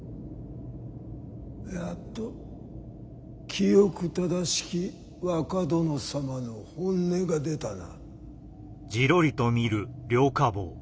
やっと清く正しき若殿様の本音が出たな。